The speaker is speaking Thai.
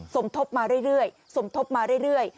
สมทบมาเรื่อยสมทบมาเรื่อย